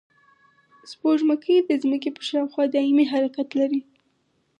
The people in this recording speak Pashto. سپوږمۍ د ځمکې پر شاوخوا دایمي حرکت لري